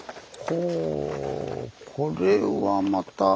これはまた。